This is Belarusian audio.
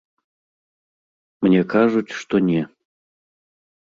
Мне кажуць, што не.